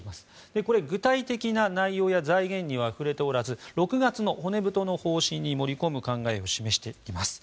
これ、具体的な内容や財源には触れておらず６月の骨太の方針に盛り込む考えを示しています。